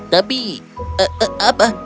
tapi eh eh apa